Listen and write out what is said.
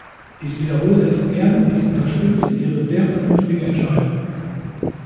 Ich wiederhole es gern, ich unterstütze Ihre sehr vernünftige Entscheidung.